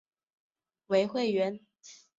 为会员。